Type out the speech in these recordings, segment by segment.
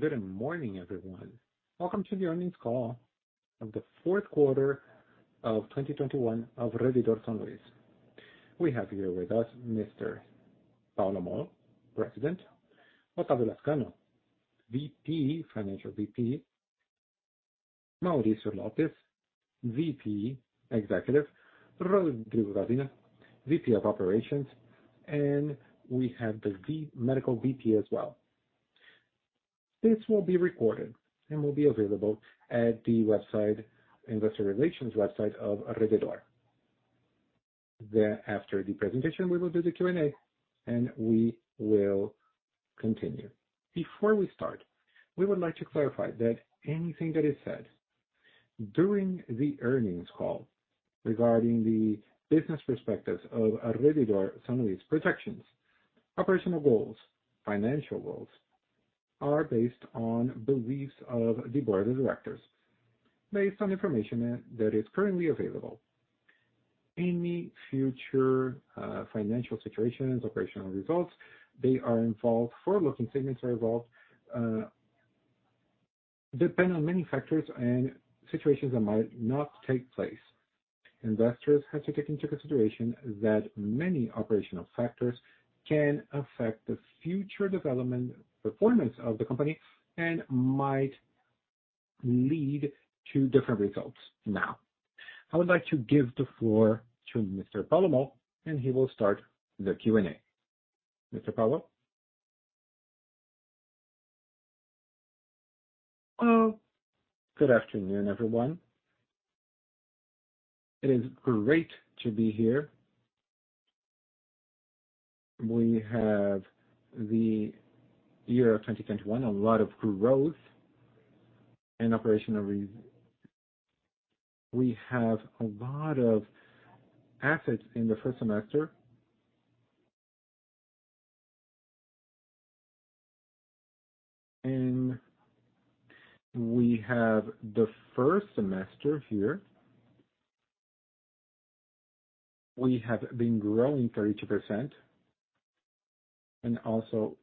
Good morning, everyone. Welcome to the Earnings Call of the Fourth Quarter of 2021 of Rede D'Or São Luiz. We have here with us Mr. Paulo Moll, President. Otávio Lazcano, VP Financial. Maurício Lopes, VP Executive. Rodrigo Gavina, VP of Operations. We have the Medical VP as well. This will be recorded and will be available at the Investor Relations website of Rede D'Or. After the presentation, we will do the Q&A, and we will continue. Before we start, we would like to clarify that anything that is said during the earnings call regarding the business perspectives of Rede D'Or São Luiz projections, operational goals, financial goals, are based on beliefs of the board of directors, based on information that is currently available. Any future financial situations, operational results, they are involved, forward-looking statements are involved, depend on many factors and situations that might not take place. Investors have to take into consideration that many operational factors can affect the future development, performance of the company and might lead to different results. Now, I would like to give the floor to Mr. Paulo Moll, and he will start the Q&A. Mr. Paulo. Good afternoon, everyone. It is great to be here. We have the year of 2021, a lot of growth and operational results. We have a lot of assets in the first semester. We have the first semester here. We have been growing 32%, and also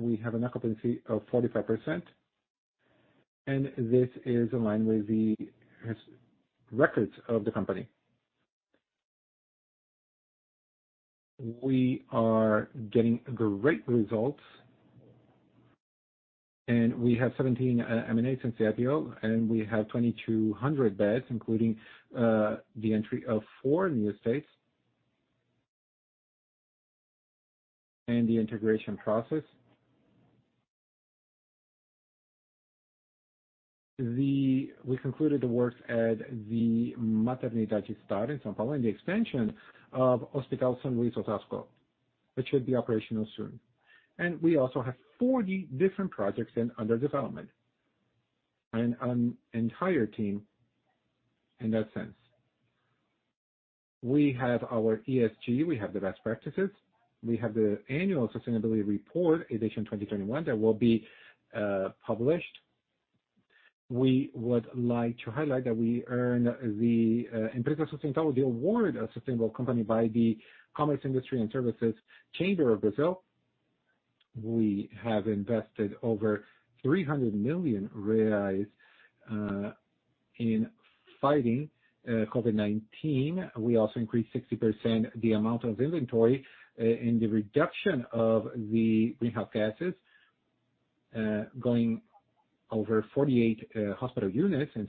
we have an occupancy of 45%, and this is in line with the historical records of the company. We are getting great results. We have 17 M&As since the IPO, and we have 2,200 beds, including the entry of four new states. The integration process. We concluded the works at the Maternidade Star in São Paulo, and the expansion of Hospital São Luiz Osasco, which should be operational soon. We also have 40 different projects under development and an entire team in that sense. We have our ESG, we have the best practices. We have the annual sustainability report, edition 2021, that will be published. We would like to highlight that we earned the Empresa Sustentável, the award of sustainable company by the Chamber of Commerce, Industry and Services of Brazil. We have invested over 300 million reais in fighting COVID-19. We also increased 60% the amount of intensity in the reduction of the greenhouse gases, going over 48 hospital units from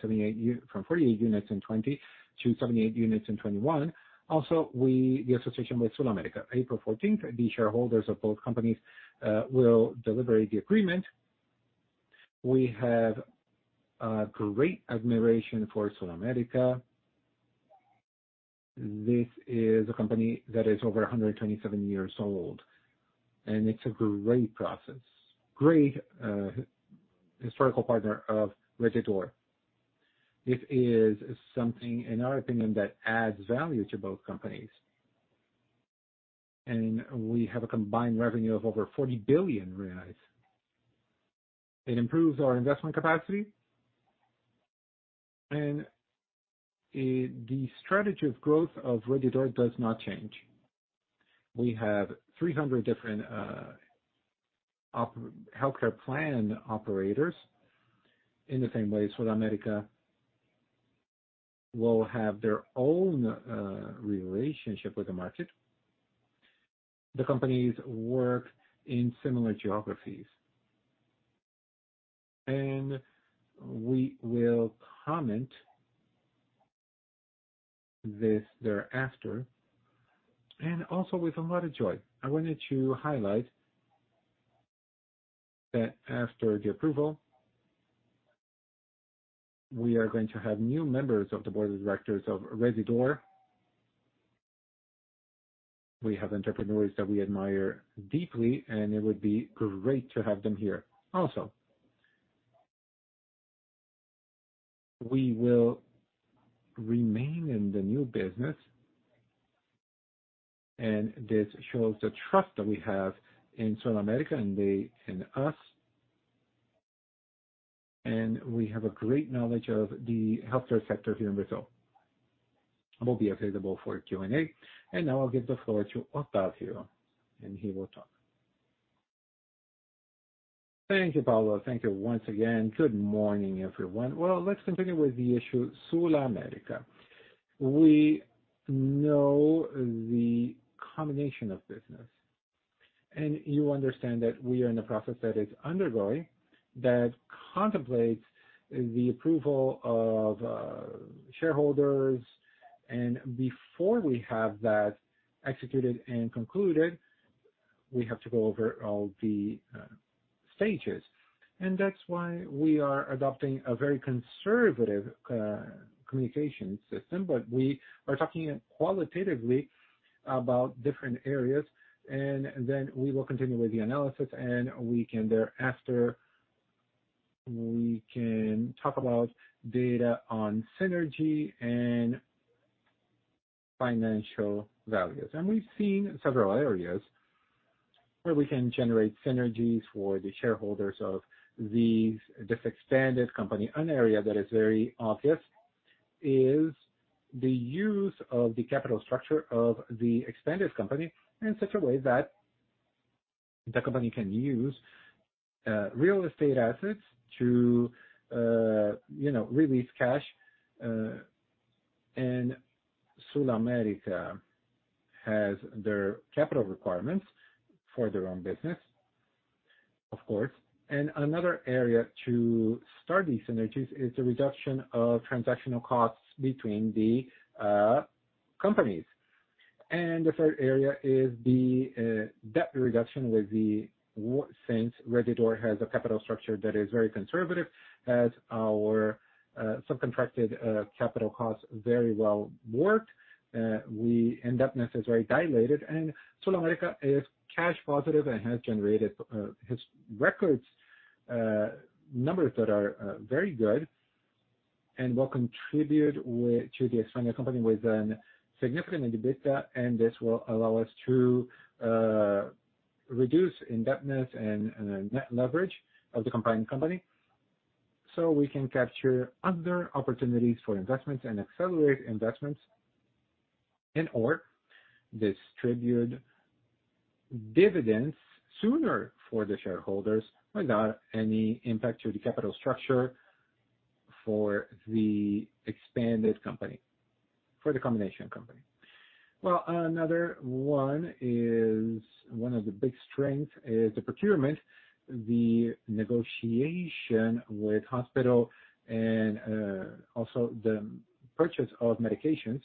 48 units in 2020 to 78 units in 2021. The association with SulAmérica. April fourteenth, the shareholders of both companies will deliberate the agreement. We have a great admiration for SulAmérica. This is a company that is over 127 years old, and it's a great process. Great historical partner of Rede D'Or. It is something, in our opinion, that adds value to both companies. We have a combined revenue of over 40 billion reais. It improves our investment capacity. The strategy of growth of Rede D'Or does not change. We have 300 different healthcare plan operators. In the same way, SulAmérica will have their own relationship with the market. The companies work in similar geographies. We will comment this thereafter. Also with a lot of joy, I wanted to highlight that after the approval, we are going to have new members of the board of directors of Rede D'Or. We have entrepreneurs that we admire deeply, and it would be great to have them here. Also, we will remain in the new business, and this shows the trust that we have in SulAmérica and they in us. We have a great knowledge of the healthcare sector here in Brazil. We'll be available for Q&A. Now I'll give the floor to Otávio, and he will talk. Thank you, Paulo. Thank you once again. Good morning, everyone. Well, let's continue with the issue SulAmérica. We know the combination of business, and you understand that we are in a process that is undergoing that contemplates the approval of shareholders. Before we have that executed and concluded, we have to go over all the stages. That's why we are adopting a very conservative communication system. We are talking qualitatively about different areas. Then we will continue with the analysis, and we can talk about data on synergy and financial values. We've seen several areas where we can generate synergies for the shareholders of this expanded company. An area that is very obvious is the use of the capital structure of the expanded company in such a way that the company can use real estate assets to you know release cash. SulAmérica has their capital requirements for their own business, of course. Another area to start these synergies is the reduction of transactional costs between the companies. The third area is the debt reduction with the—Since Rede D'Or has a capital structure that is very conservative, has our subordinated capital costs very well worked, the indebtedness is very diluted. SulAmérica is cash positive and has generated record numbers that are very good and will contribute to the expanded company with a significant EBITDA, and this will allow us to reduce indebtedness and net leverage of the combined company, so we can capture other opportunities for investments and accelerate investments and/or distribute dividends sooner for the shareholders without any impact to the capital structure for the combined company. Well, one of the big strengths is the procurement, the negotiation with hospital and also the purchase of medications.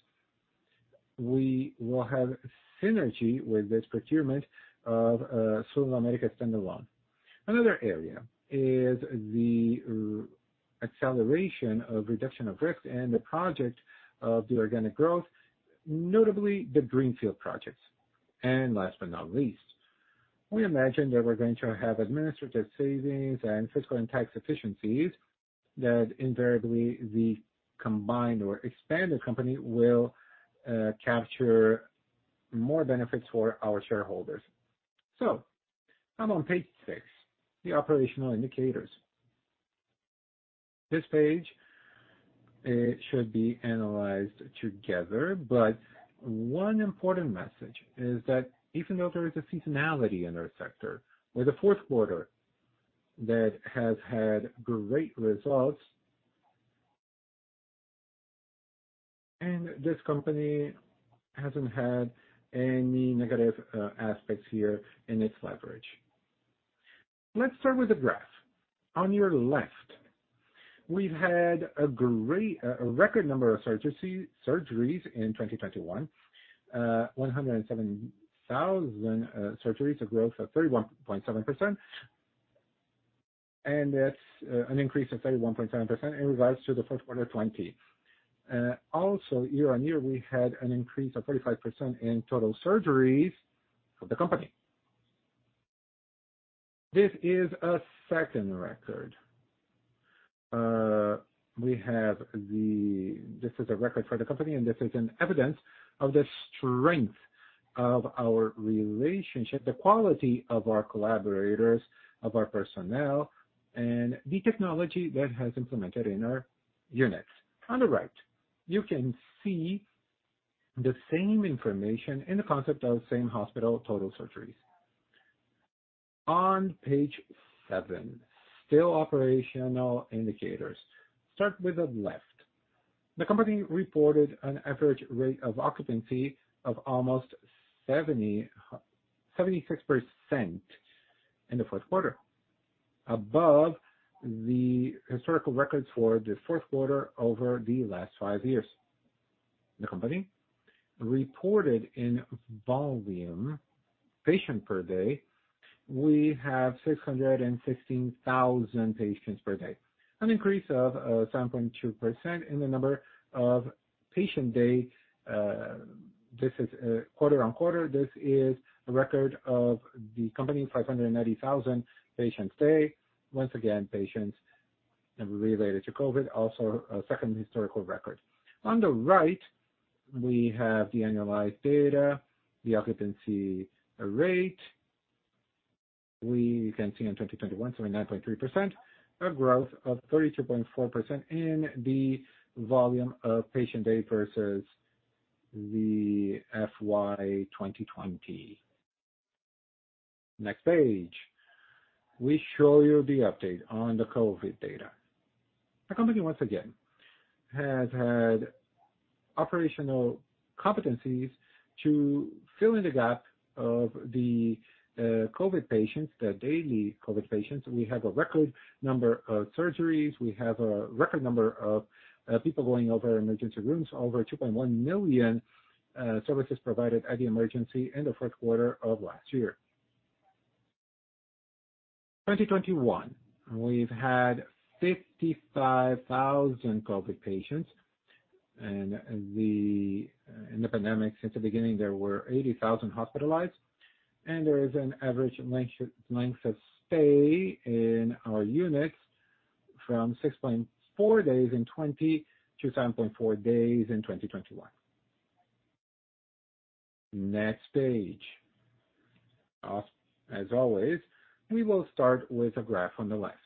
We will have synergy with this procurement of SulAmérica standalone. Another area is the acceleration of reduction of risk and the project of the organic growth, notably the greenfield projects. Last but not least, we imagine that we're going to have administrative savings and fiscal and tax efficiencies that invariably the combined or expanded company will capture more benefits for our shareholders. I'm on page six, the operational indicators. This page should be analyzed together, but one important message is that even though there is a seasonality in our sector with a fourth quarter that has had great results, and this company hasn't had any negative aspects here in its leverage. Let's start with the graph. On your left, we've had a record number of surgeries in 2021. 107,000 surgeries, a growth of 31.7%, and that's an increase of 31.7% in regards to the first quarter 2020. Also, year-on-year, we had an increase of 35% in total surgeries for the company. This is a second record. This is a record for the company, and this is evidence of the strength of our relationship, the quality of our collaborators, of our personnel, and the technology that has implemented in our units. On the right, you can see the same information in the concept of same hospital total surgeries. On page seven, still operational indicators. Start with the left. The company reported an average rate of occupancy of almost 76% in the fourth quarter, above the historical records for the fourth quarter over the last 5 years. The company reported in volume, patients per day, we have 616,000 patients per day, an increase of 7.2% in the number of patient days. This is quarter-on-quarter. This is a record of the company, 590,000 patient days. Once again, patients related to COVID, also a second historical record. On the right, we have the annualized data, the occupancy rate. We can see in 2021, so 9.3%, a growth of 32.4% in the volume of patient days versus the FY 2020. Next page. We show you the update on the COVID data. The company once again has had operational competencies to fill in the gap of the COVID patients, the daily COVID patients. We have a record number of surgeries. We have a record number of people going to our emergency rooms. Over 2.1 million services provided at the emergency in the first quarter of last year. 2021, we've had 55,000 COVID patients. In the pandemic, since the beginning, there were 80,000 hospitalized, and there is an average length of stay in our units from 6.4 days in 2020 to 7.4 days in 2021. Next page. As always, we will start with a graph on the left.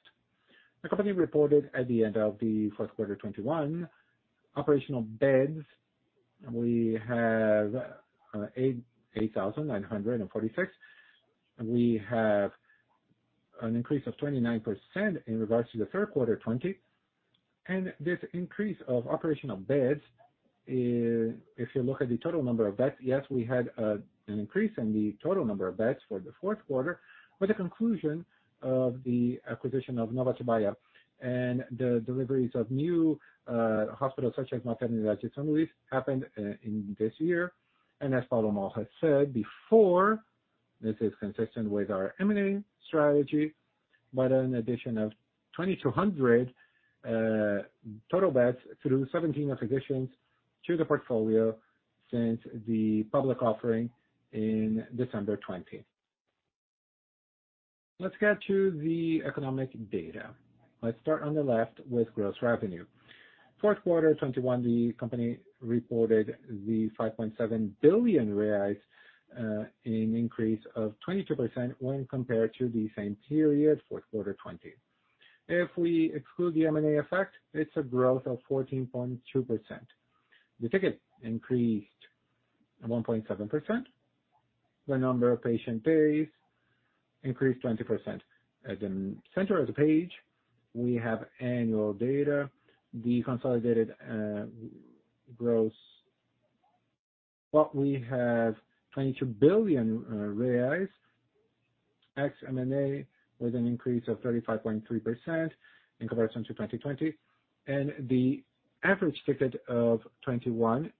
The company reported at the end of the first quarter 2021 operational beds. We have 8,946. We have an increase of 29% in regards to the third quarter 2020. This increase of operational beds, if you look at the total number of beds, yes, we had, an increase in the total number of beds for the fourth quarter with the conclusion of the acquisition of Nova Iguaçu. The deliveries of new, hospitals such as Maternidade São Luiz happened, in this year. As Paulo Moll has said before, this is consistent with our M&A strategy, but an addition of 2,200 total beds through 17 acquisitions to the portfolio since the public offering in December 2020. Let's get to the economic data. Let's start on the left with gross revenue. Fourth quarter 2021, the company reported 5.7 billion, an increase of 22% when compared to the same period, fourth quarter 2020. If we exclude the M&A effect, it's a growth of 14.2%. The ticket increased 1.7%. The number of patient days increased 20%. At the center of the page, we have annual data. The consolidated gross. We have 22 billion reais ex M&A with an increase of 35.3% in comparison to 2020. The average ticket of 2021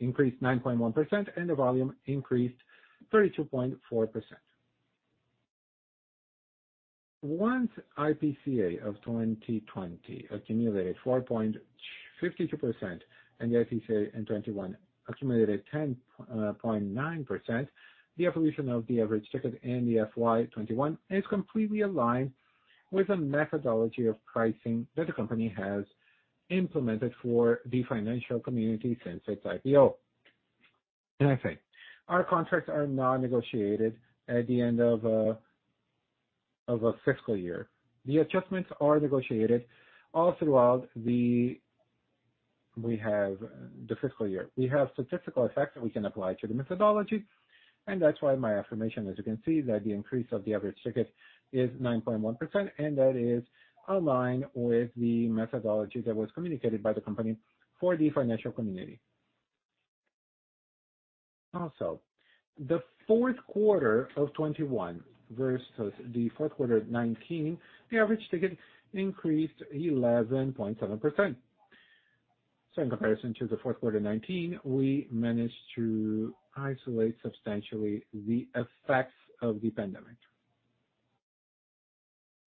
increased 9.1%, and the volume increased 32.4%. The IPCA of 2020 accumulated 4.52% and the IPCA in '21 accumulated 10.9%. The evolution of the average ticket in the FY 2021 is completely aligned with the methodology of pricing that the company has implemented for the financial community since its IPO. I think our contracts are non-negotiated at the end of a fiscal year. The adjustments are negotiated all throughout the fiscal year. We have statistical effects that we can apply to the methodology, and that's why my affirmation, as you can see, that the increase of the average ticket is 9.1%, and that is aligned with the methodology that was communicated by the company for the financial community. Also, the fourth quarter of 2021 versus the fourth quarter of 2019, the average ticket increased 11.7%. In comparison to the fourth quarter 2019, we managed to isolate substantially the effects of the pandemic.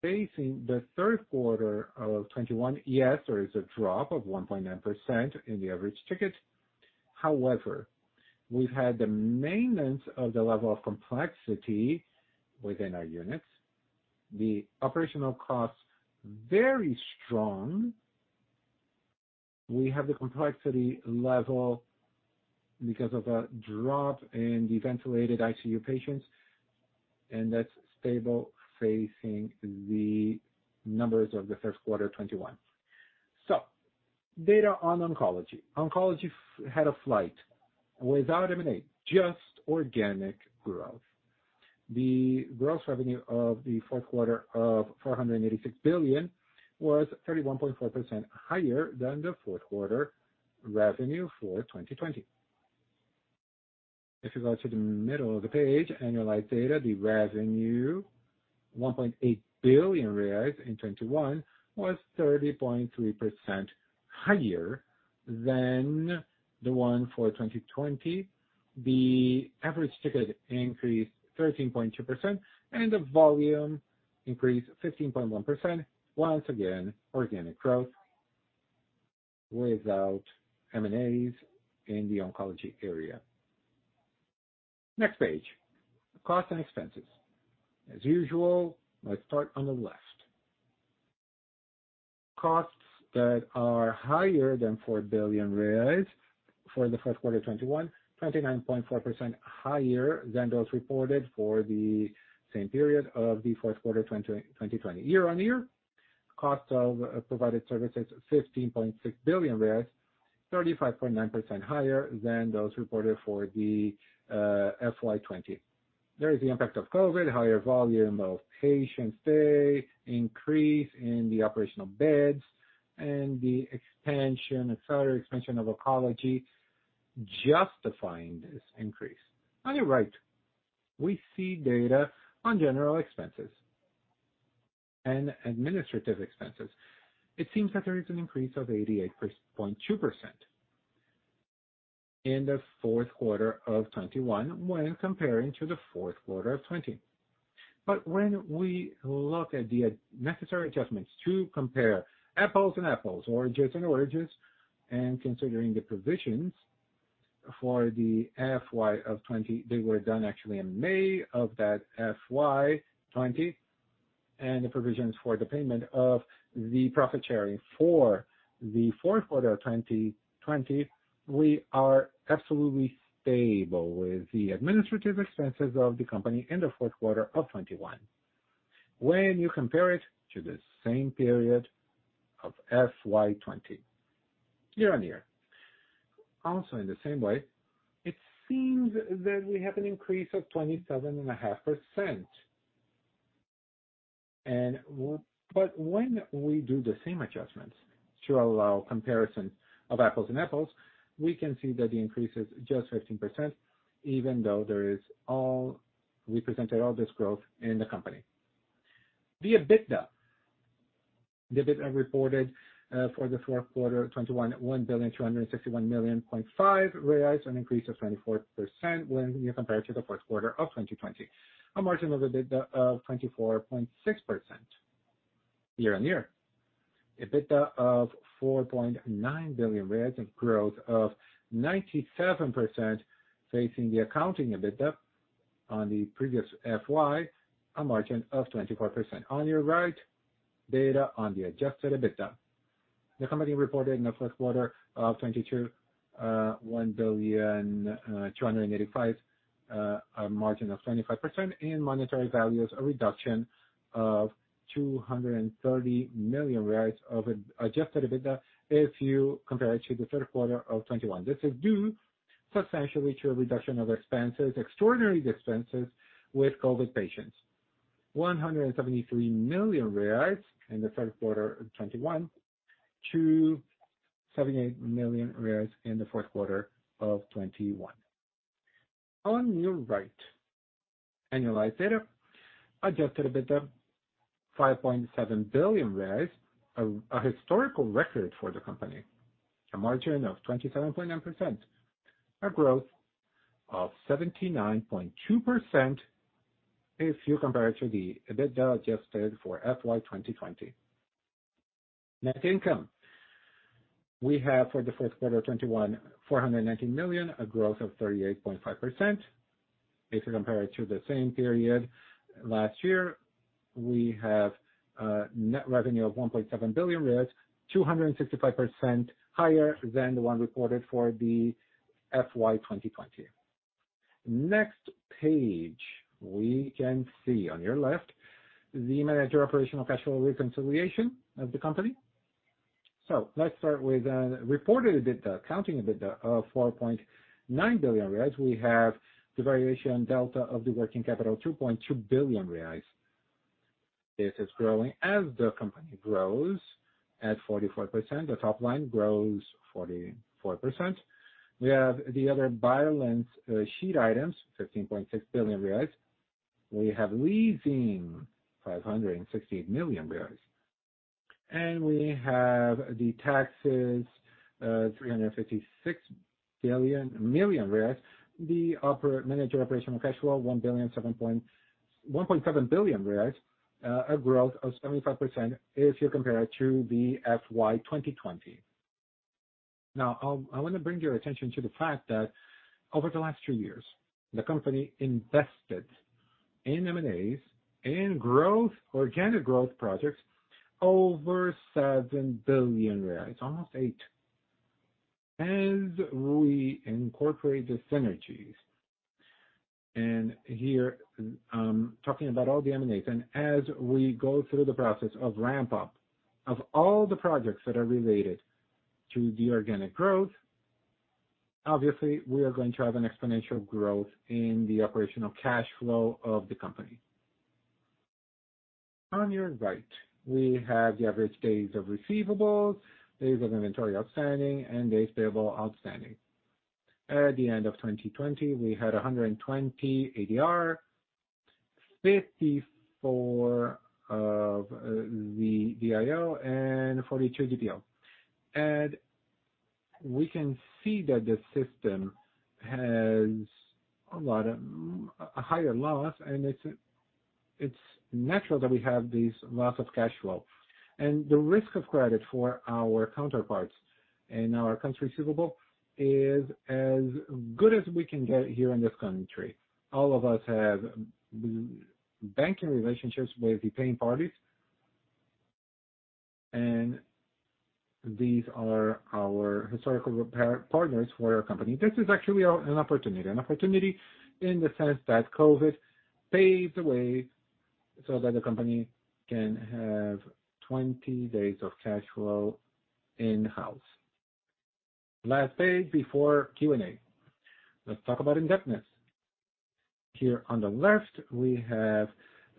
Facing the third quarter of 2021, yes, there is a drop of 1.9% in the average ticket. However, we've had the maintenance of the level of complexity within our units, the operational costs very strong. We have the complexity level because of a drop in the ventilated ICU patients, and that's stable facing the numbers of the first quarter 2021. Data on oncology. Oncology had a slight without M&A, just organic growth. The gross revenue of the fourth quarter of 486 million was 31.4% higher than the fourth quarter revenue for 2020. If you go to the middle of the page, annualized data, the revenue, 1.8 billion reais in 2021 was 30.3% higher than the one for 2020. The average ticket increased 13.2%, and the volume increased 15.1%. Once again, organic growth without M&As in the oncology area. Next page, cost and expenses. As usual, let's start on the left. Costs that are higher than 4 billion reais for the first quarter 2021, 29.4% higher than those reported for the same period of the first quarter 2020. Year-over-year, cost of provided services, 15.6 billion, 35.9% higher than those reported for FY 2020. There is the impact of COVID, higher volume of patient stay, increase in the operational beds, and the expansion, et cetera, of oncology justifying this increase. On your right, we see data on general expenses and administrative expenses. It seems that there is an increase of 88.2% in the fourth quarter of 2021 when comparing to the fourth quarter of 2020. When we look at the necessary adjustments to compare apples and apples, oranges and oranges, and considering the provisions for the FY of 2020, they were done actually in May of that FY 2020, and the provisions for the payment of the profit sharing for the fourth quarter of 2020, we are absolutely stable with the administrative expenses of the company in the fourth quarter of 2021 when you compare it to the same period of FY 2020 year-on-year. Also, in the same way, it seems that we have an increase of 27.5%. When we do the same adjustments to allow comparison of apples and apples, we can see that the increase is just 15%, even though we presented all this growth in the company. The EBITDA reported for the fourth quarter 2021, 1,261.5 million reais, an increase of 24% when you compare it to the fourth quarter of 2020. A margin of EBITDA of 24.6% year-on-year. EBITDA of BRL 4.9 billion, a growth of 97% facing the accounting EBITDA on the previous FY, a margin of 24%. On your right, data on the adjusted EBITDA. The company reported in the fourth quarter of 2022, 1.285 billion, a margin of 25%. In monetary values, a reduction of 230 million reais of adjusted EBITDA if you compare it to the third quarter of 2021. This is due substantially to a reduction of expenses, extraordinary expenses with COVID patients. 173 million reais in the third quarter of 2021 to 78 million reais in the fourth quarter of 2021. On your right, annualized data, adjusted EBITDA, 5.7 billion, a historical record for the company. A margin of 27.9%, a growth of 79.2% if you compare it to the EBITDA adjusted for FY 2020. Net income, we have for the fourth quarter 2021, 419 million, a growth of 38.5%. If you compare it to the same period last year, we have net revenue of 1.7 billion reais, 265% higher than the one reported for FY 2020. Next page, we can see on your left the management operational cash flow reconciliation of the company. Let's start with reported EBITDA, accounting EBITDA of 4.9 billion reais. We have the variation delta of the working capital, 2.2 billion reais. This is growing as the company grows at 44%. The top line grows 44%. We have the other balance sheet items, 15.6 billion reais. We have leasing, 568 million reais. We have the taxes, 356 million reais. The operational cash flow, 1.7 billion reais, a growth of 75% if you compare it to the FY 2020. I wanna bring your attention to the fact that over the last two years, the company invested in M&A, in growth, organic growth projects over 7 billion reais, almost eight. As we incorporate the synergies, and here I'm talking about all the M&As, and as we go through the process of ramp up of all the projects that are related to the organic growth, obviously, we are going to have an exponential growth in the operational cash flow of the company. On your right, we have the average days of receivables, days of inventory outstanding, and days payable outstanding. At the end of 2020, we had 120 ADR, 54 DIO, and 42 DPO. We can see that the system has a lot of a higher loss, and it's natural that we have these losses of cash flow. The credit risk for our counterparties. Our accounts receivable is as good as we can get here in this country. All of us have banking relationships with the paying parties. These are our historical rep partners for our company. This is actually an opportunity in the sense that COVID paved the way so that the company can have 20 days of cash flow in-house. Last page before Q&A. Let's talk about indebtedness. Here on the left, we have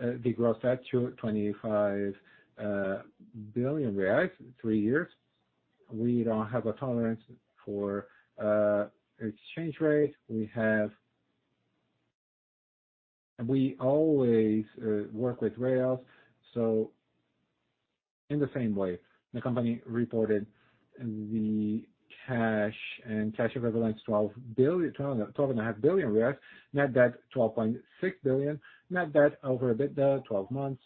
the gross debt to 25 billion reais, three years. We don't have a tolerance for exchange rate. We have. We always work with reais, so in the same way. The company reported the cash and cash equivalents, 12.5 billion reais. Net debt, 12.6 billion. Net debt over EBITDA 12 months,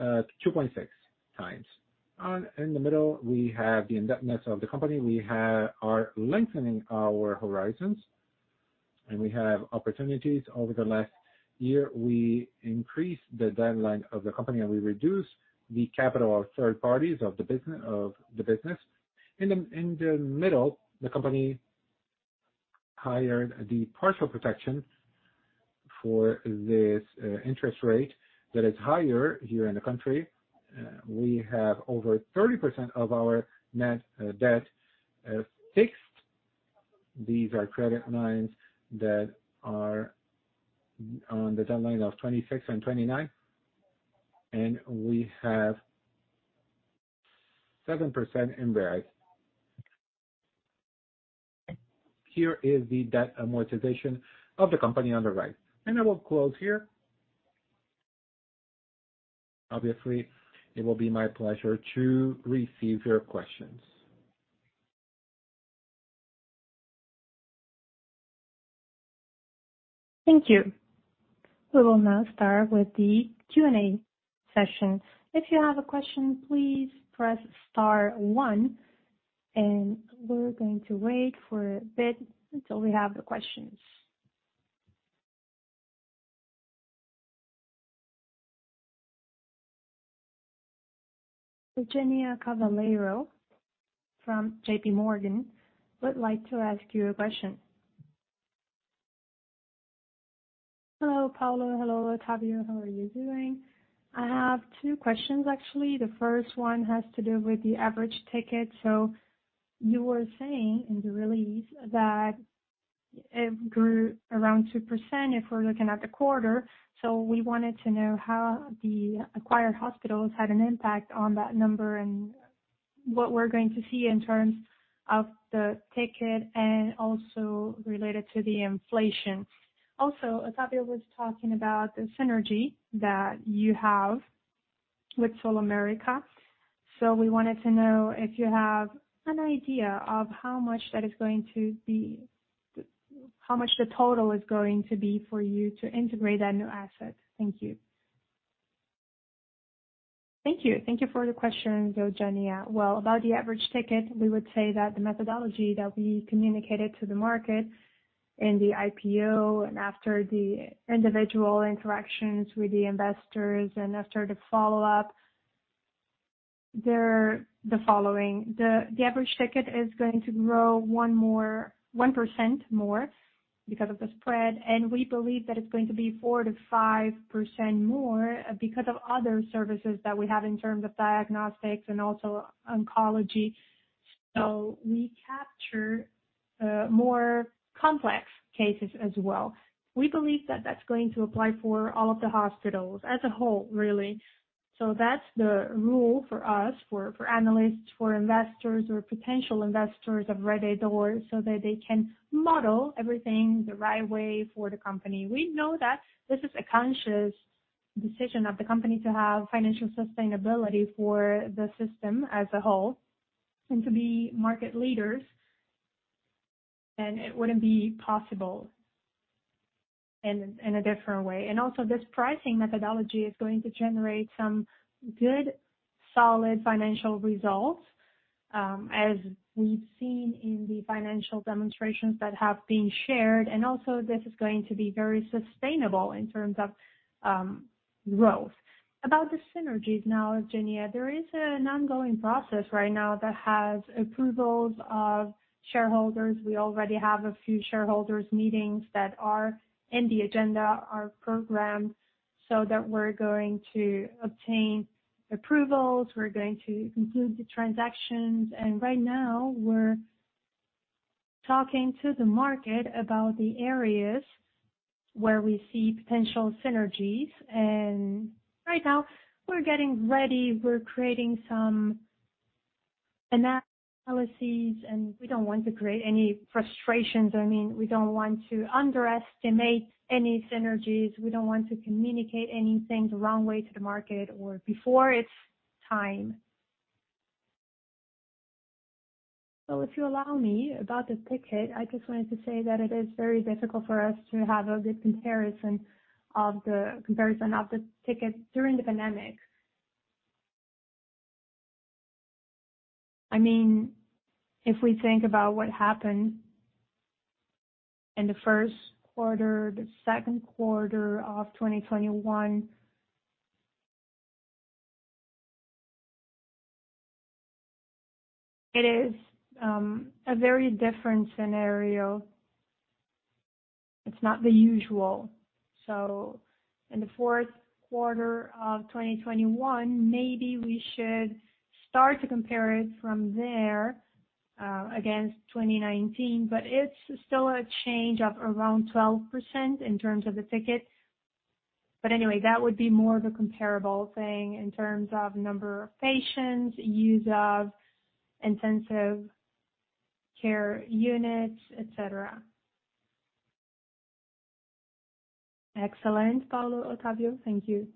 2.6x. In the middle, we have the indebtedness of the company. We are lengthening our horizons, and we have opportunities. Over the last year, we increased the deadline of the company, and we reduced the capital of third parties of the business. In the middle, the company hedged partial protection for this interest rate that is higher here in the country. We have over 30% of our net debt fixed. These are credit lines that are on the timeline of 2026 and 2029, and we have 7% in reais. Here is the debt amortization of the company on the right. I will close here. Obviously, it will be my pleasure to receive your questions. Thank you. We will now start with the Q&A session. Eugenia Cavalheiro from JPMorgan would like to ask you a question. Hello, Paulo. Hello, Otávio. How are you doing? I have two questions, actually. The first one has to do with the average ticket. You were saying in the release that it grew around 2% if we're looking at the quarter. We wanted to know how the acquired hospitals had an impact on that number and what we're going to see in terms of the ticket and also related to the inflation. Otávio was talking about the synergy that you have with SulAmérica. We wanted to know if you have an idea of how much the total is going to be for you to integrate that new asset. Thank you for the question, Eugenia. Well, about the average ticket, we would say that the methodology that we communicated to the market in the IPO and after the individual interactions with the investors and after the follow-up, they're the following. The average ticket is going to grow 1% more because of the spread, and we believe that it's going to be 4%-5% more because of other services that we have in terms of diagnostics and also oncology. We capture more complex cases as well. We believe that that's going to apply for all of the hospitals as a whole, really. That's the rule for us, for analysts, for investors or potential investors of Rede D'Or so that they can model everything the right way for the company. We know that this is a conscious decision of the company to have financial sustainability for the system as a whole and to be market leaders, and it wouldn't be possible in a different way. This pricing methodology is going to generate some good, solid financial results, as we've seen in the financial demonstrations that have been shared. This is going to be very sustainable in terms of growth. About the synergies now, Eugenia, there is an ongoing process right now that has approvals of shareholders. We already have a few shareholders meetings that are in the agenda, are programmed, so that we're going to obtain approvals. We're going to conclude the transactions. Right now we're talking to the market about the areas where we see potential synergies. Right now we're getting ready. We're creating some analyses, and we don't want to create any frustrations. I mean, we don't want to underestimate any synergies. We don't want to communicate anything the wrong way to the market or before its time. If you allow me, about the ticket, I just wanted to say that it is very difficult for us to have a good comparison of the ticket during the pandemic. I mean, if we think about what happened in the first quarter, the second quarter of 2021, it is a very different scenario. It's not the usual. In the fourth quarter of 2021, maybe we should start to compare it from there, against 2019, but it's still a change of around 12% in terms of the ticket. But anyway, that would be more of a comparable thing in terms of number of patients, use of intensive care units, et cetera. Excellent, Paulo, Otávio. Thank you.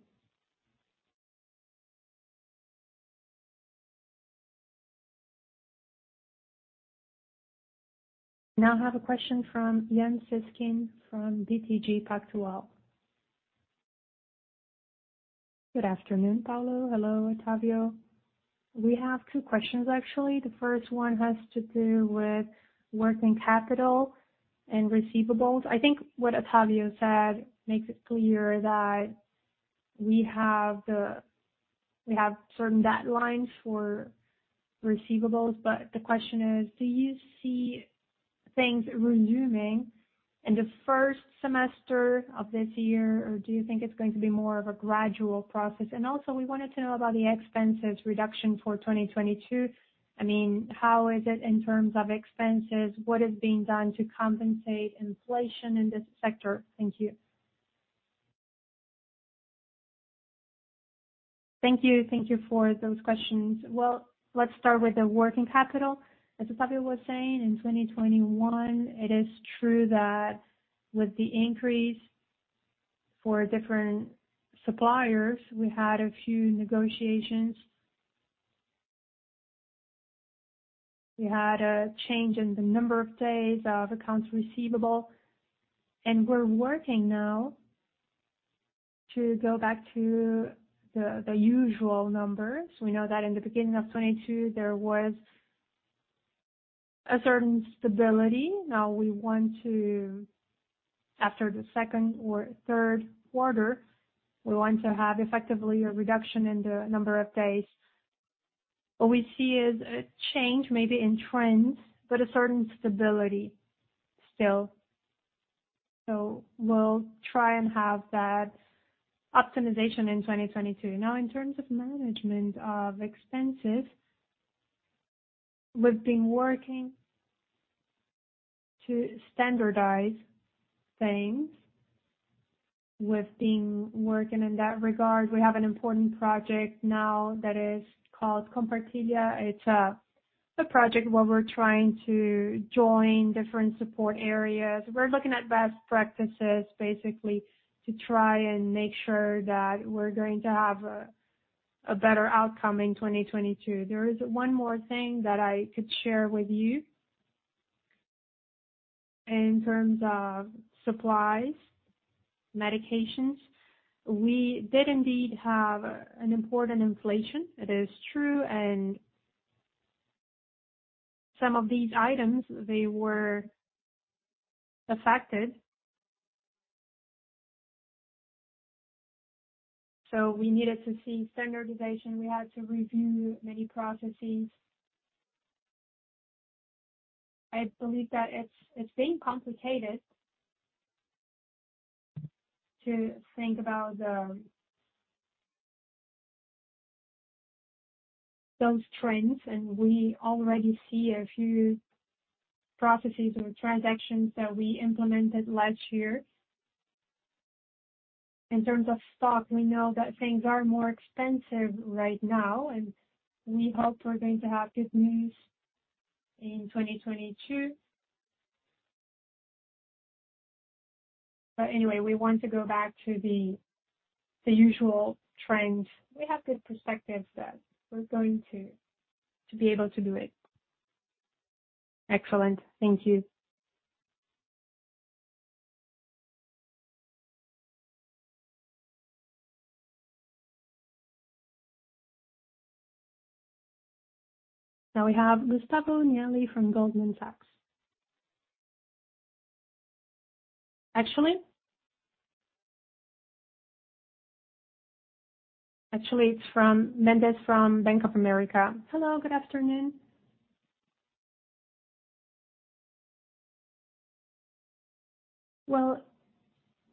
We now have a question from Yan Cesquim from BTG Pactual. Good afternoon, Paulo. Hello, Otávio. We have two questions, actually. The first one has to do with working capital and receivables. I think what Otávio said makes it clear that we have certain deadlines for receivables. The question is: do you see things resuming in the first semester of this year, or do you think it's going to be more of a gradual process? Also we wanted to know about the expenses reduction for 2022. I mean, how is it in terms of expenses? What is being done to compensate inflation in this sector? Thank you for those questions. Well, let's start with the working capital. As Otávio was saying, in 2021, it is true that with the increase for different suppliers, we had a few negotiations. We had a change in the number of days of accounts receivable, and we're working now to go back to the usual numbers. We know that in the beginning of 2022, there was a certain stability. Now, after the second or third quarter, we want to have effectively a reduction in the number of days. What we see is a change maybe in trends, but a certain stability still. We'll try and have that optimization in 2022. Now, in terms of management of expenses, we've been working to standardize things. We've been working in that regard. We have an important project now that is called Compartilha. It's a project where we're trying to join different support areas. We're looking at best practices, basically, to try and make sure that we're going to have a better outcome in 2022. There is one more thing that I could share with you. In terms of supplies, medications, we did indeed have an important inflation. It is true. Some of these items, they were affected. We needed to see standardization. We had to review many processes. I believe that it's been complicated to think about those trends, and we already see a few processes or transactions that we implemented last year. In terms of stock, we know that things are more expensive right now, and we hope we're going to have good news in 2022. Anyway, we want to go back to the usual trends. We have good perspectives that we're going to be able to do it. Excellent. Thank you. Now we have Gustavo Miele from Goldman Sachs. Actually, it's Fred Mendes from Bank of America. Hello, good afternoon. Well,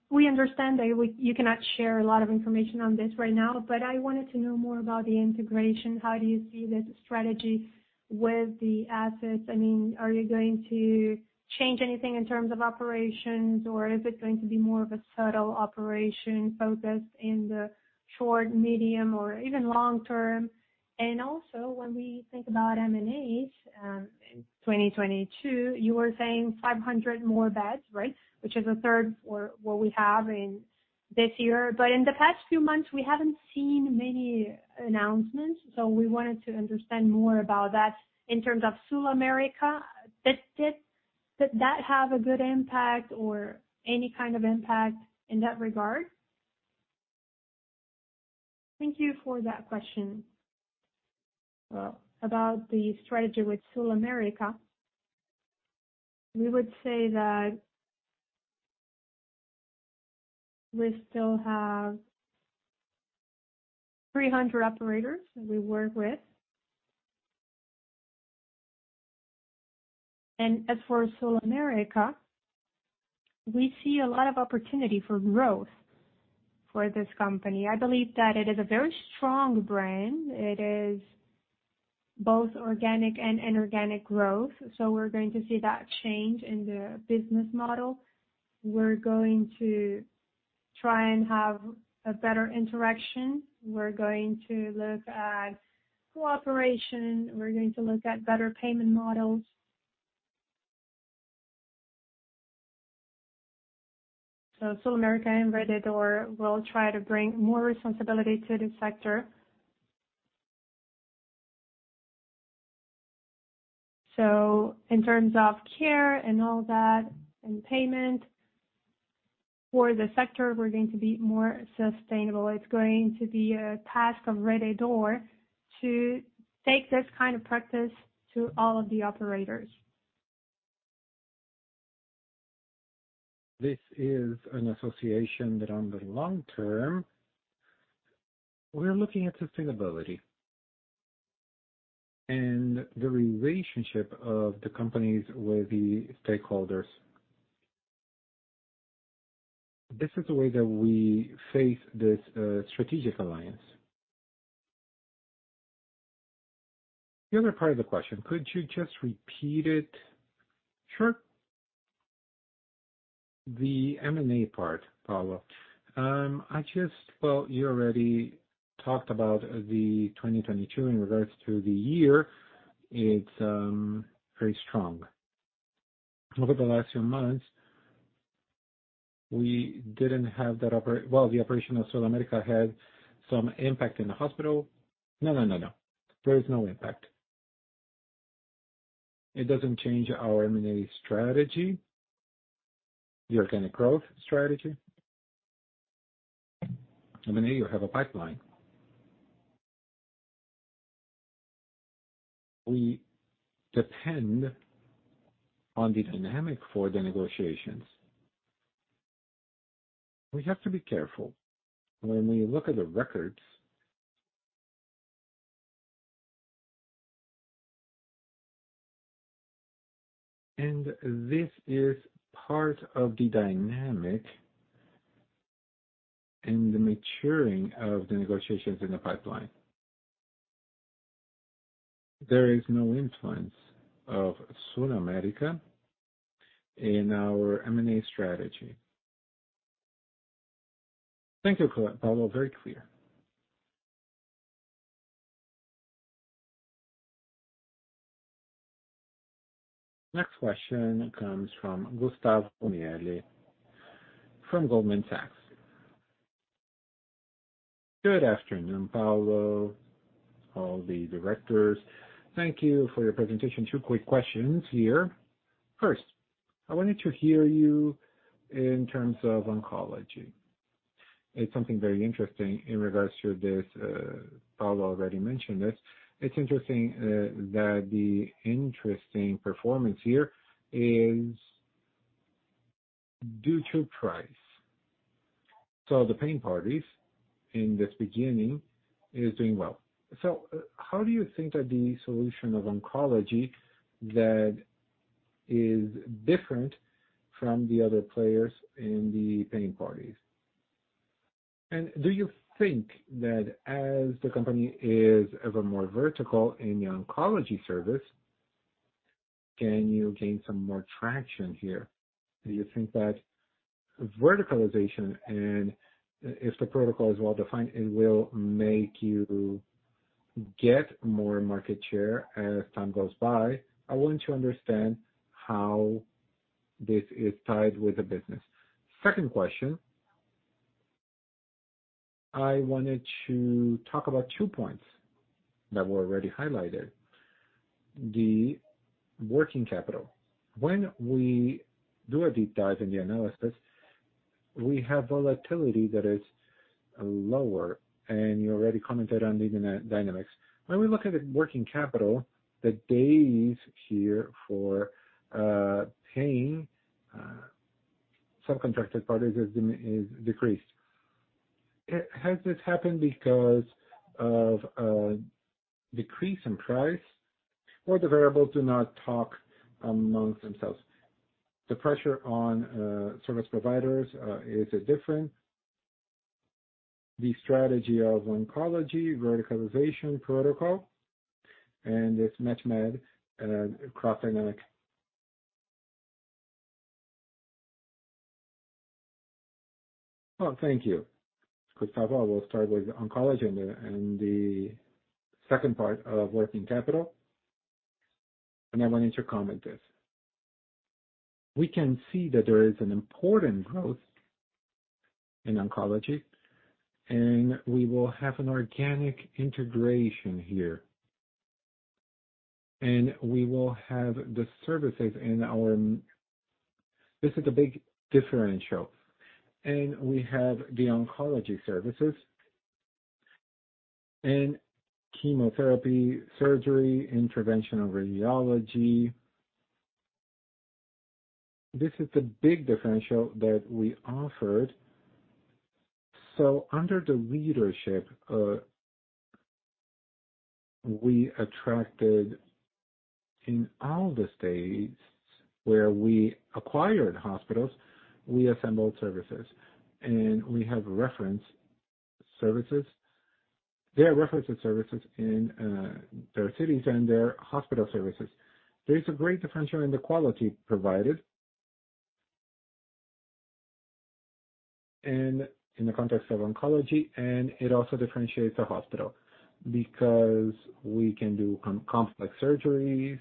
we understand that you cannot share a lot of information on this right now, but I wanted to know more about the integration. How do you see this strategy with the assets? I mean, are you going to change anything in terms of operations, or is it going to be more of a subtle operation focused in the short, medium, or even long term? Also, when we think about M&A, in 2022, you were saying 500 more beds, right? Which is a third for what we have in this year. In the past few months, we haven't seen many announcements, so we wanted to understand more about that. In terms of SulAmérica, did that have a good impact or any kind of impact in that regard? Thank you for that question. About the strategy with SulAmérica, we would say that we still have 300 operators that we work with. As for SulAmérica, we see a lot of opportunity for growth for this company. I believe that it is a very strong brand. It is both organic and inorganic growth, so we're going to see that change in the business model. We're going to try and have a better interaction. We're going to look at cooperation. We're going to look at better payment models. SulAmérica and Rede D'Or will try to bring more responsibility to this sector. In terms of care and all that, and payment for the sector, we're going to be more sustainable. It's going to be a task of Rede D'Or to take this kind of practice to all of the operators. This is an association that, on the long term, we are looking at sustainability and the relationship of the companies with the stakeholders. This is the way that we face this, strategic alliance. The other part of the question, could you just repeat it? Sure. The M&A part, Paulo. Well, you already talked about the 2022 in regards to the year. It's very strong. Over the last few months, we didn't have that. Well, the operation of SulAmérica had some impact in the hospital. No. There is no impact. It doesn't change our M&A strategy, the organic growth strategy. M&A, you have a pipeline. We depend on the dynamic for the negotiations. We have to be careful. When we look at the records. This is part of the dynamic and the maturing of the negotiations in the pipeline. There is no influence of SulAmérica in our M&A strategy. Thank you, Paulo. Very clear. Next question comes from Gustavo Miele from Goldman Sachs. Good afternoon, Paulo, all the directors. Thank you for your presentation. Two quick questions here. First, I wanted to hear you in terms of oncology. It's something very interesting in regards to this. Paulo already mentioned this. It's interesting that the interesting performance here is due to price. The paying parties in this beginning is doing well. How do you think that the solution of oncology that is different from the other players in the paying parties? And do you think that as the company is ever more vertical in the oncology service, can you gain some more traction here? Do you think that verticalization and if the protocol is well-defined, it will make you get more market share as time goes by? I want to understand how this is tied with the business. Second question, I wanted to talk about two points that were already highlighted. The working capital. When we do a deep dive in the analysis, we have volatility that is lower, and you already commented on the dynamics. When we look at the working capital, the days here for paying subcontracted parties is decreased. Has this happened because of a decrease in price or the variables do not talk amongst themselves? The pressure on service providers, is it different? The strategy of oncology, verticalization protocol, and this mat-med cross dynamics. Oh, thank you. Gustavo, I will start with oncology and the second part of working capital, and I want you to comment this. We can see that there is an important growth in oncology. We will have an organic integration here. We will have the services in our. This is the big differential. We have the oncology services and chemotherapy, surgery, interventional radiology. This is the big differential that we offered. Under the leadership, we attracted in all the states where we acquired hospitals, we assembled services. We have reference services. There are reference services in, their cities and their hospital services. There is a great differential in the quality provided. In the context of oncology, and it also differentiates a hospital because we can do complex surgeries.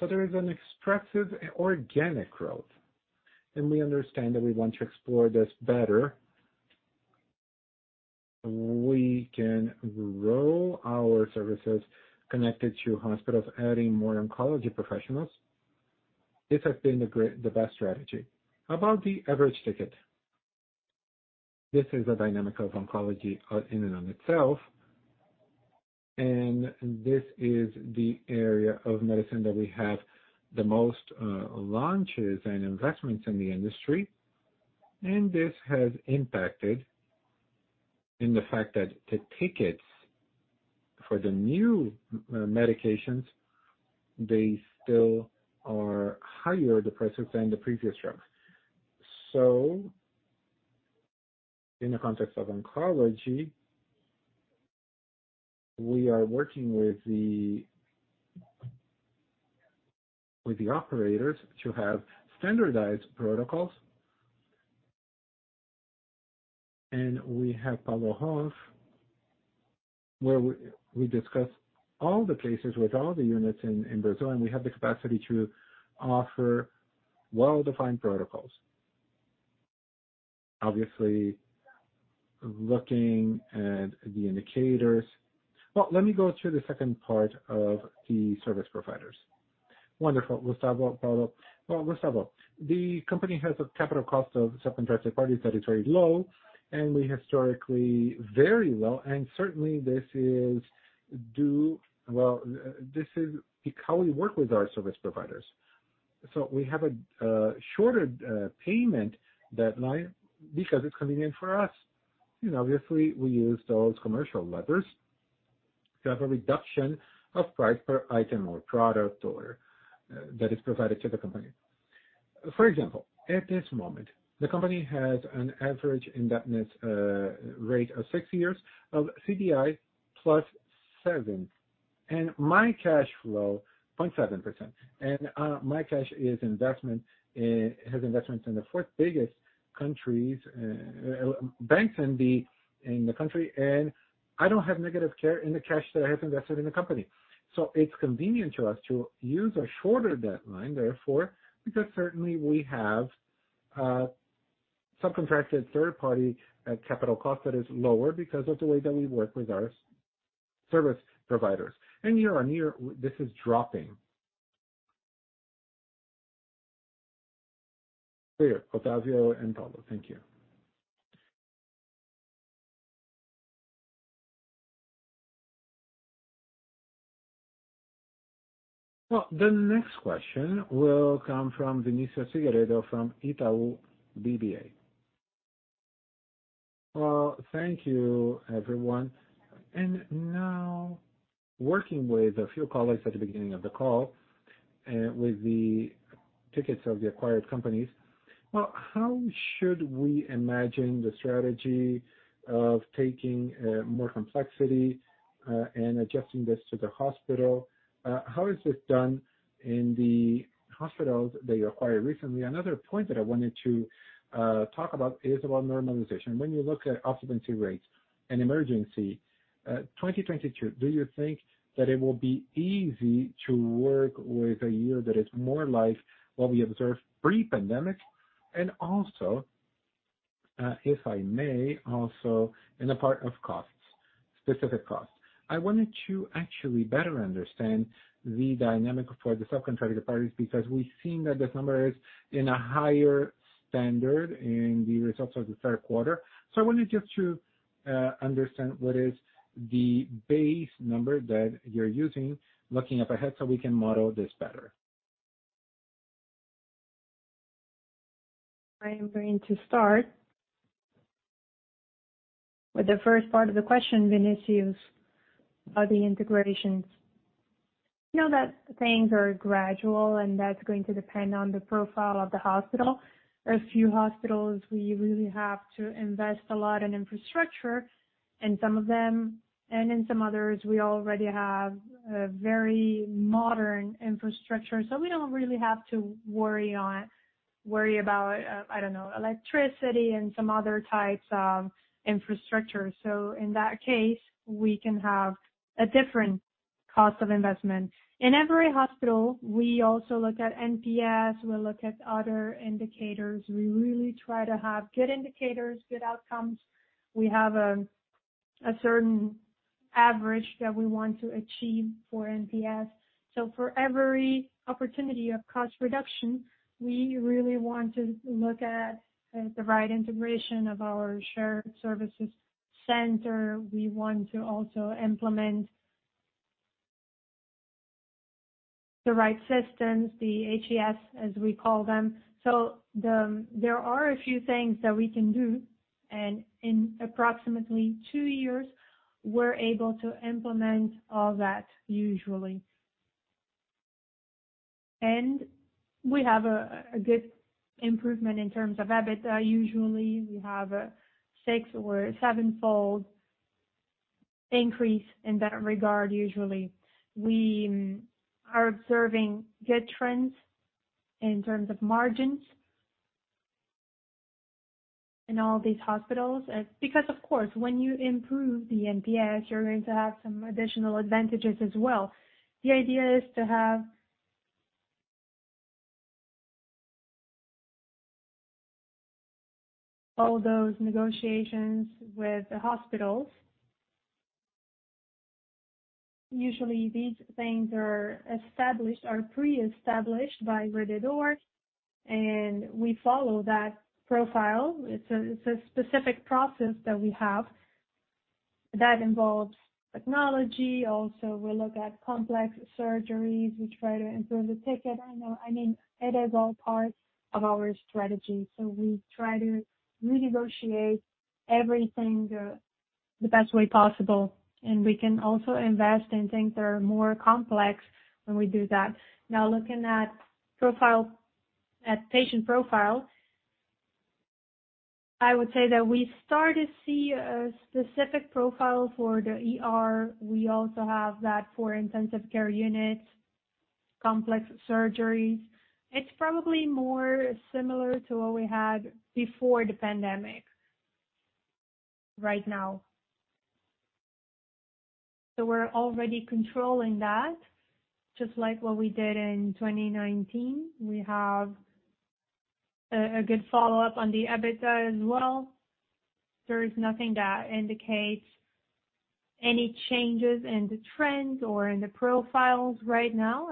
There is an expressive organic growth, and we understand that we want to explore this better. We can grow our services connected to hospitals, adding more oncology professionals. This has been the best strategy. About the average ticket. This is a dynamic of oncology, in and on itself, and this is the area of medicine that we have the most launches and investments in the industry. This has impacted in the fact that the tickets for the new medications, they still are higher, the prices, than the previous drugs. In the context of oncology, we are working with the operators to have standardized protocols. We have Paulo Hoff, where we discuss all the cases with all the units in Brazil, and we have the capacity to offer well-defined protocols. Obviously, looking at the indicators. Well, let me go to the second part of the service providers. Wonderful. Gustavo, Paulo. Well, Gustavo. The company has a capital cost of subcontracted parties that is very low, and certainly this is due to how we work with our service providers. We have a shorter payment deadline because it's convenient for us. Obviously we use those commercial levers to have a reduction of price per item or product or that is provided to the company. For example, at this moment, the company has an average indebtedness rate of 6 years of CDI plus 7. My cash flow 0.7%. My cash investment has investments in the fourth biggest country's banks in the country, and I don't have negative carry in the cash that I have invested in the company. It's convenient to us to use a shorter deadline, therefore, because certainly we have subcontracted third-party capital cost that is lower because of the way that we work with our service providers. Year-over-year, this is dropping. Clear. Otávio and Paulo, thank you. Well, the next question will come from Vinicius Figueiredo from Itaú BBA. Well, thank you, everyone. Now working with a few colleagues at the beginning of the call, with the tickets of the acquired companies. Well, how should we imagine the strategy of taking more complexity and adjusting this to the hospital? How is this done in the hospitals that you acquired recently? Another point that I wanted to talk about is about normalization. When you look at occupancy rates and emergency, 2022, do you think that it will be easy to work with a year that is more like what we observed pre-pandemic? If I may, also in the part of costs, specific costs. I wanted to actually better understand the dynamic for the subcontracted parties, because we've seen that this number is in a higher standard in the results of the third quarter. I wanted just to understand what is the base number that you're using looking ahead, so we can model this better. I am going to start with the first part of the question, Vinicius, about the integrations. We know that things are gradual, and that's going to depend on the profile of the hospital. There are a few hospitals we really have to invest a lot in infrastructure in some of them. In some others, we already have a very modern infrastructure. We don't really have to worry about, I don't know, electricity and some other types of infrastructure. In that case, we can have a different cost of investment. In every hospital, we also look at NPS, we look at other indicators. We really try to have good indicators, good outcomes. We have a certain average that we want to achieve for NPS. For every opportunity of cost reduction, we really want to look at the right integration of our shared services center. We want to also implement the right systems, the HIS, as we call them. There are a few things that we can do, and in approximately two years, we're able to implement all that usually. We have a good improvement in terms of EBITDA usually. We have a six- or sevenfold increase in that regard usually. We are observing good trends in terms of margins in all these hospitals. Because of course, when you improve the NPS, you're going to have some additional advantages as well. The idea is to have all those negotiations with the hospitals. Usually these things are established or pre-established by Rede D'Or, and we follow that profile. It's a specific process that we have that involves technology. We look at complex surgeries. We try to improve the ticket. I know, I mean, it is all part of our strategy. We try to renegotiate everything the best way possible, and we can also invest in things that are more complex when we do that. Now looking at patient profile, I would say that we start to see a specific profile for the ER. We also have that for intensive care units, complex surgeries. It's probably more similar to what we had before the pandemic right now. We're already controlling that, just like what we did in 2019. We have a good follow-up on the EBITDA as well. There is nothing that indicates any changes in the trends or in the profiles right now.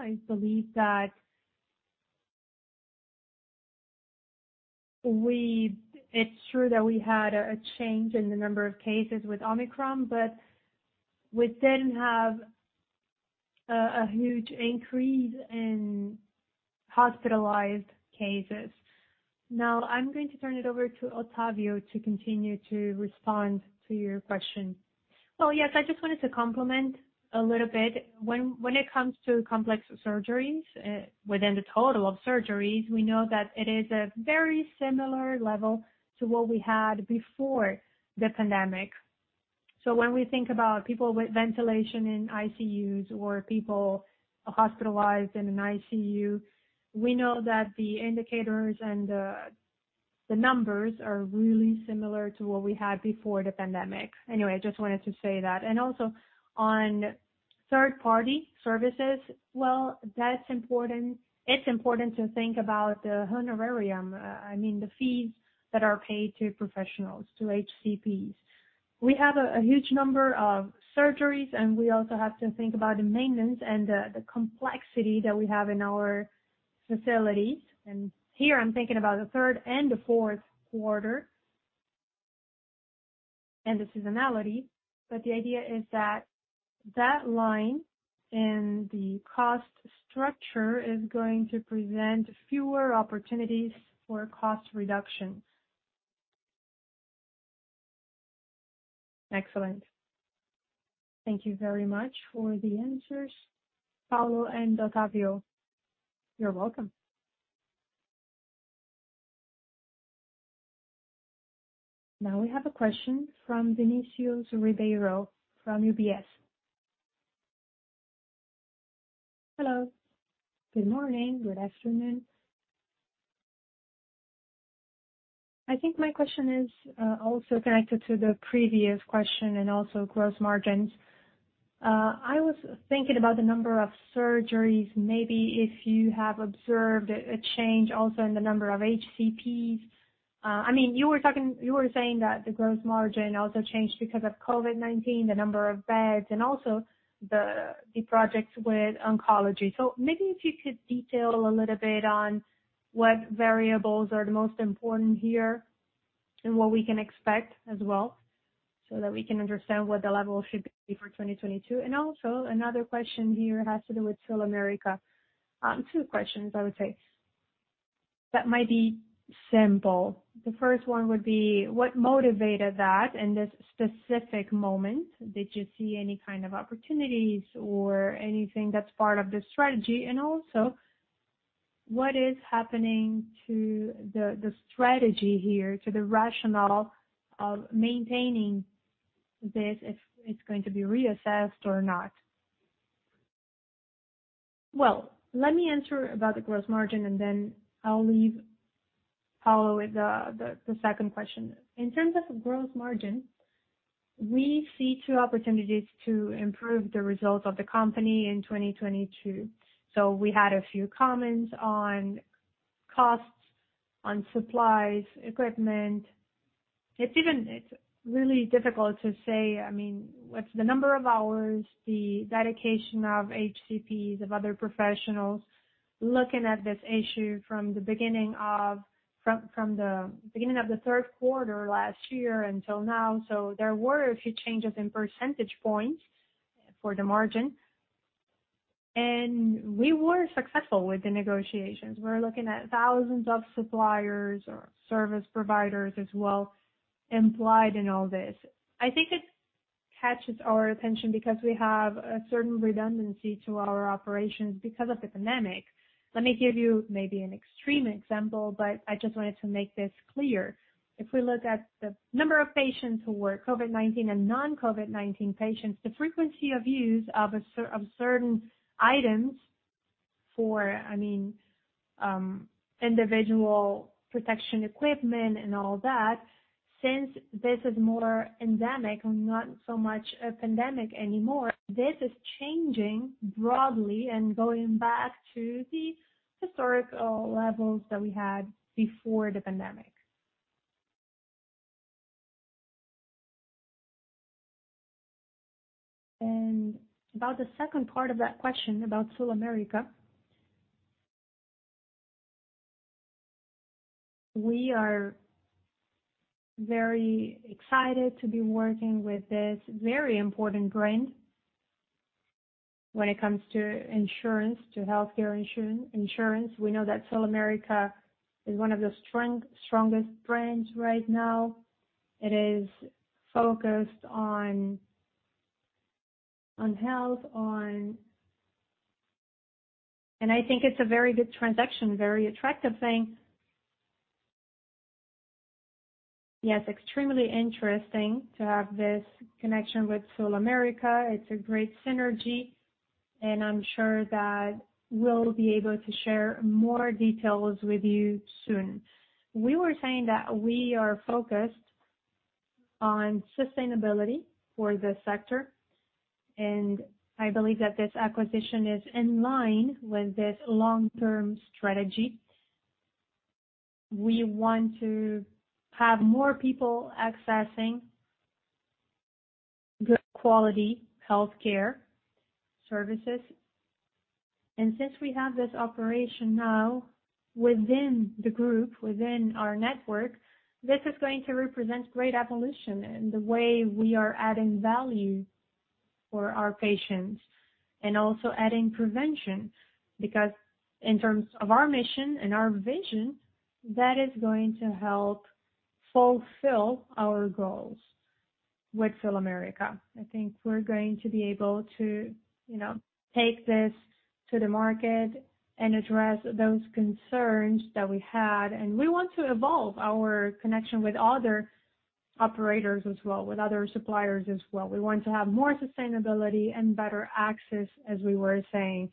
It's true that we had a change in the number of cases with Omicron, but we didn't have a huge increase in hospitalized cases. Now, I'm going to turn it over to Otávio to continue to respond to your question. Well, yes, I just wanted to complement a little bit. When it comes to complex surgeries, within the total of surgeries, we know that it is a very similar level to what we had before the pandemic. So when we think about people with ventilation in ICUs or people hospitalized in an ICU, we know that the indicators and the numbers are really similar to what we had before the pandemic. Anyway, I just wanted to say that. Also on third-party services, well, that's important. It's important to think about the honorarium, I mean, the fees that are paid to professionals, to HCPs. We have a huge number of surgeries, and we also have to think about the maintenance and the complexity that we have in our facilities. Here I'm thinking about the third and the fourth quarter and the seasonality. The idea is that that line and the cost structure is going to present fewer opportunities for cost reduction. Excellent. Thank you very much for the answers, Paulo and Otávio. You're welcome. Now we have a question from Vinicius Ribeiro from UBS. Hello. Good morning. Good afternoon. I think my question is also connected to the previous question and also gross margins. I was thinking about the number of surgeries, maybe if you have observed a change also in the number of HCPs. I mean, you were saying that the gross margin also changed because of COVID-19, the number of beds, and also the projects with oncology. Maybe if you could detail a little bit on what variables are the most important here and what we can expect as well, so that we can understand what the level should be for 2022. Also another question here has to do with SulAmérica. Two questions I would say. That might be simple. The first one would be. What motivated that in this specific moment? Did you see any kind of opportunities or anything that's part of the strategy? What is happening to the strategy here, to the rationale of maintaining this, if it's going to be reassessed or not? Let me answer about the gross margin and then I'll leave Paulo with the second question. In terms of gross margin, we see two opportunities to improve the results of the company in 2022. We had a few comments on costs, on supplies, equipment. It's really difficult to say. I mean, with the number of hours, the dedication of HCPs, of other professionals looking at this issue from the beginning of the third quarter last year until now. There were a few changes in percentage points for the margin. We were successful with the negotiations. We're looking at thousands of suppliers or service providers as well implied in all this. I think it catches our attention because we have a certain redundancy to our operations because of the pandemic. Let me give you maybe an extreme example, but I just wanted to make this clear. If we look at the number of patients who were COVID-19 and non-COVID-19 patients, the frequency of use of certain items for, I mean, individual protection equipment and all that, since this is more endemic and not so much a pandemic anymore, this is changing broadly and going back to the historical levels that we had before the pandemic. About the second part of that question about SulAmérica. We are very excited to be working with this very important brand when it comes to insurance, to healthcare insurance. We know that SulAmérica is one of the strongest brands right now. It is focused on health. I think it's a very good transaction, very attractive thing. Yes, extremely interesting to have this connection with SulAmérica. It's a great synergy, and I'm sure that we'll be able to share more details with you soon. We were saying that we are focused on sustainability for this sector, and I believe that this acquisition is in line with this long-term strategy. We want to have more people accessing good quality healthcare services. Since we have this operation now within the group, within our network, this is going to represent great evolution in the way we are adding value for our patients and also adding prevention, because in terms of our mission and our vision, that is going to help fulfill our goals with SulAmérica. I think we're going to be able to, you know, take this to the market and address those concerns that we had. We want to evolve our connection with other operators as well, with other suppliers as well. We want to have more sustainability and better access, as we were saying.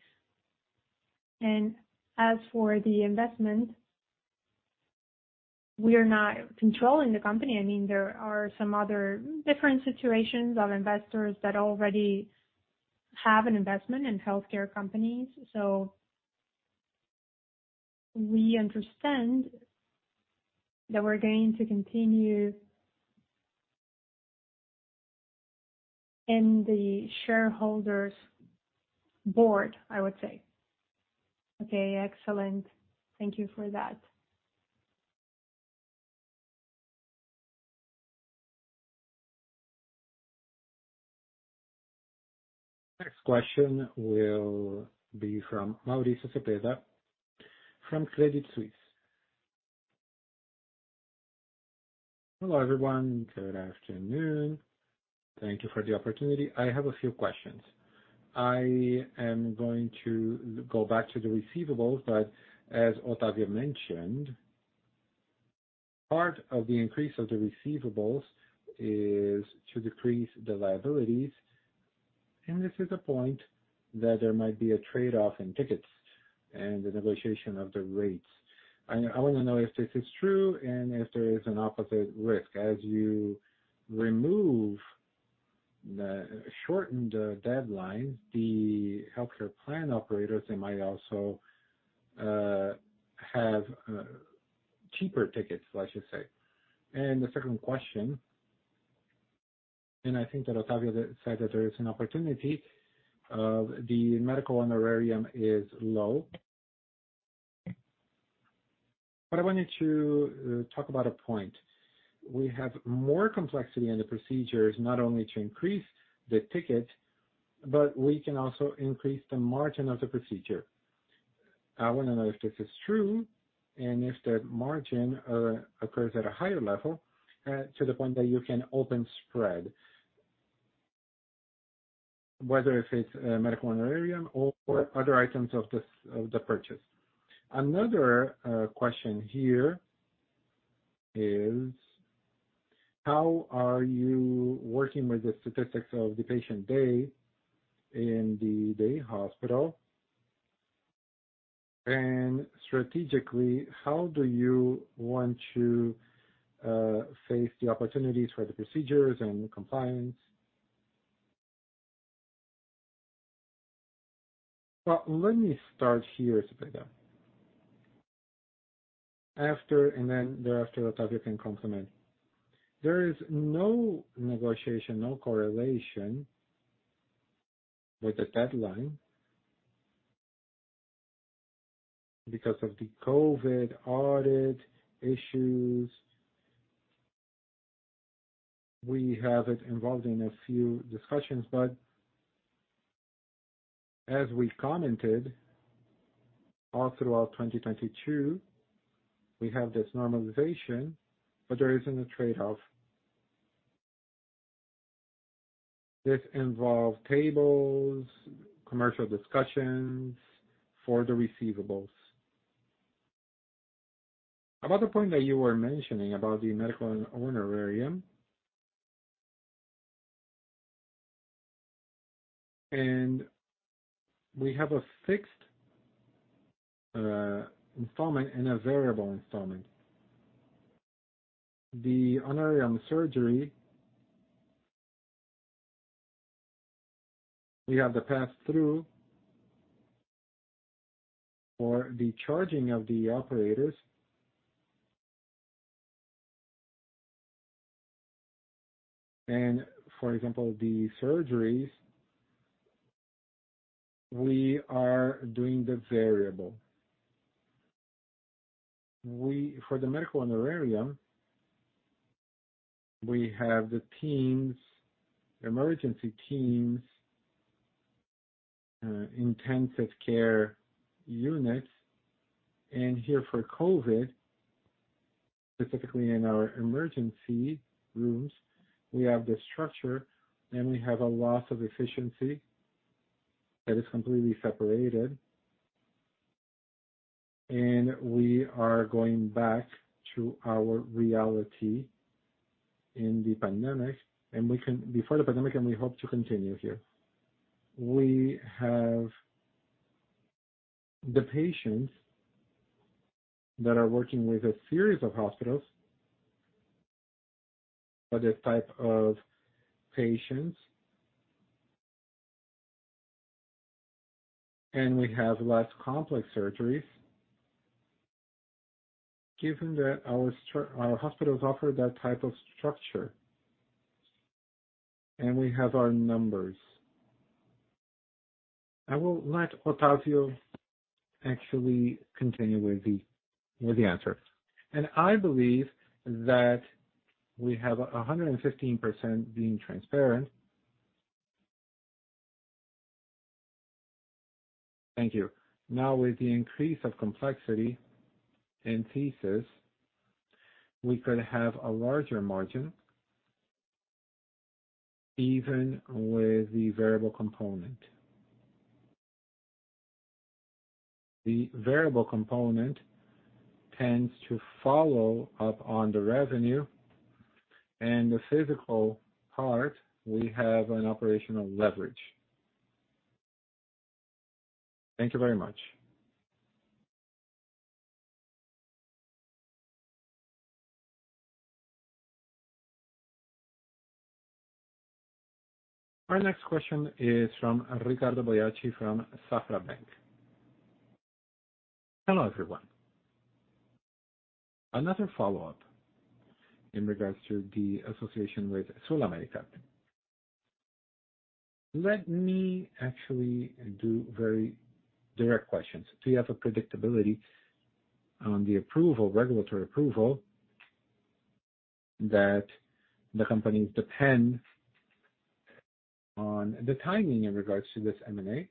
As for the investment, we are not controlling the company. I mean, there are some other different situations of investors that already have an investment in healthcare companies. We understand that we're going to continue in the shareholders board, I would say. Okay, excellent. Thank you for that. Next question will be from Mauricio Cepeda from Credit Suisse. Hello, everyone. Good afternoon. Thank you for the opportunity. I have a few questions. I am going to go back to the receivables, but as Otávio mentioned, part of the increase of the receivables is to decrease the liabilities, and this is a point that there might be a trade-off in tickets and the negotiation of the rates. I want to know if this is true and if there is an opposite risk. As you remove the shortened deadlines, the healthcare plan operators, they might also have cheaper tickets, I should say. The second question, I think that Otávio said that there is an opportunity, the medical honorarium is low. I wanted to talk about a point. We have more complexity in the procedures, not only to increase the ticket, but we can also increase the margin of the procedure. I wanna know if this is true and if the margin occurs at a higher level to the point that you can open spread. Whether if it's medical honorarium or other items of this, of the purchase. Another question here is, how are you working with the statistics of the patient day in the day hospital? Strategically, how do you want to face the opportunities for the procedures and compliance? Let me start here, Cepeda. After, and then thereafter, Otávio can complement. There is no negotiation, no correlation with the deadline because of the COVID audit issues. We have it involved in a few discussions, but as we commented all throughout 2022, we have this normalization, but there isn't a trade-off. This involves tables, commercial discussions for the receivables. About the point that you were mentioning about the medical honorarium. We have a fixed installment and a variable installment. The honorarium surgery, we have the pass-through for the charging of the operators. For example, the surgeries, we are doing the variable. For the medical honorarium, we have the teams, emergency teams, intensive care units. Here for COVID, specifically in our emergency rooms, we have the structure, and we have a loss of efficiency that is completely separated. We are going back to our pre-pandemic reality, before the pandemic, and we hope to continue here. We have the patients that are working with a series of hospitals for this type of patients. We have less complex surgeries, given that our hospitals offer that type of structure, and we have our numbers. I will let Otávio continue with the answer. I believe that we have 115% being transparent. Thank you. Now, with the increase of complexity in these, we could have a larger margin even with the variable component. The variable component tends to follow up on the revenue and the fixed part, we have an operational leverage. Thank you very much. Our next question is from Ricardo Boiati from Banco Safra. Hello, everyone. Another follow-up in regards to the association with SulAmérica. Let me actually do very direct questions. Do you have a predictability on the approval, regulatory approval that the companies depend on the timing in regards to this M&A?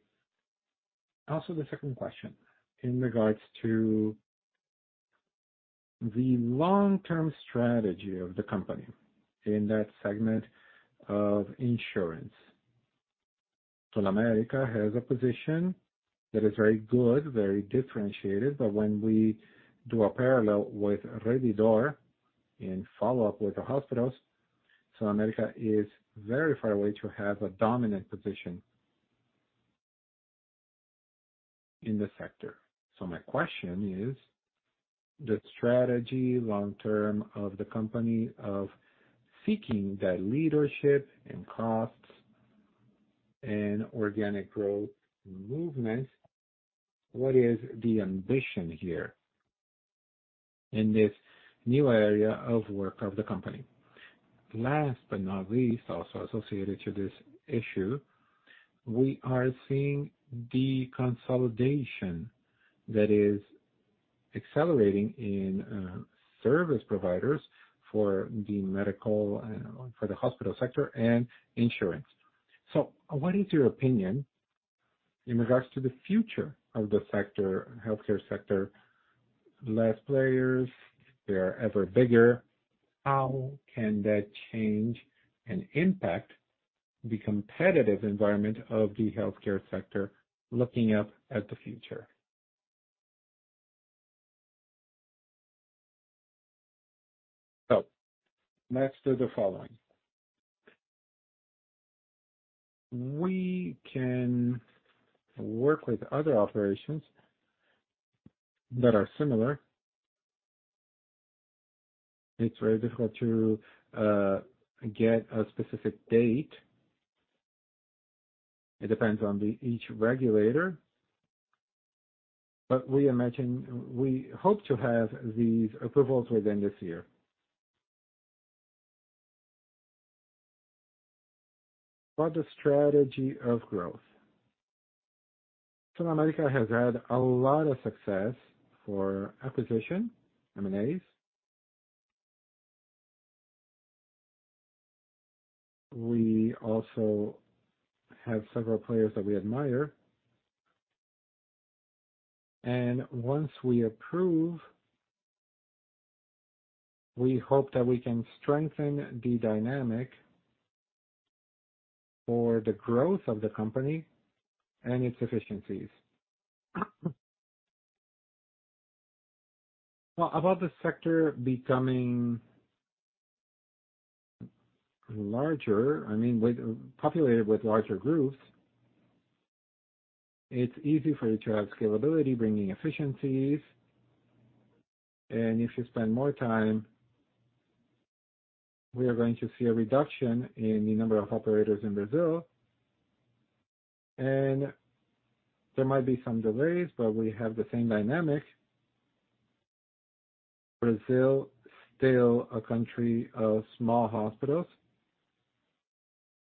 The second question in regards to the long-term strategy of the company in that segment of insurance. SulAmérica has a position that is very good, very differentiated, but when we do a parallel with Rede D'Or in follow-up with the hospitals, SulAmérica is very far away to have a dominant position in the sector. My question is the strategy long term of the company of seeking that leadership and costs and organic growth movements, what is the ambition here in this new area of work of the company? Last but not least, also associated to this issue, we are seeing the consolidation that is accelerating in service providers for the medical and for the hospital sector and insurance. What is your opinion in regards to the future of the sector, healthcare sector? Less players, they are ever bigger. How can that change and impact the competitive environment of the healthcare sector looking ahead to the future. Let's do the following. We can work with other operations that are similar. It's very difficult to get a specific date. It depends on each regulator. But we imagine we hope to have these approvals within this year. About the strategy of growth. SulAmérica has had a lot of success in acquisitions, M&As. We also have several players that we admire. Once we approve, we hope that we can strengthen the dynamic for the growth of the company and its efficiencies. Well, about the sector becoming larger, I mean, with populated with larger groups, it's easy for you to have scalability, bringing efficiencies. If you spend more time, we are going to see a reduction in the number of operators in Brazil. There might be some delays, but we have the same dynamic. Brazil is still a country of small hospitals.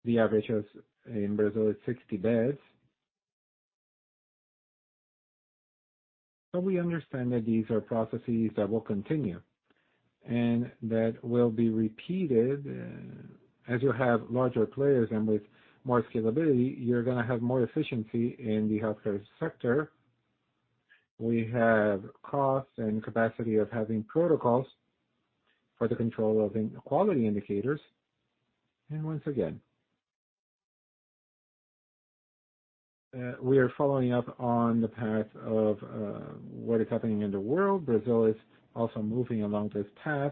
The average in Brazil is 60 beds. We understand that these are processes that will continue and that will be repeated. As you have larger players and with more scalability, you're gonna have more efficiency in the healthcare sector. We have costs and capacity of having protocols for the control of quality indicators. Once again, we are following up on the path of what is happening in the world. Brazil is also moving along this path.